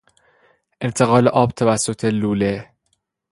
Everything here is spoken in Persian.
انتقال آب توسط لوله